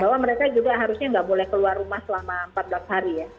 bahwa mereka juga harusnya nggak boleh keluar rumah selama empat belas hari ya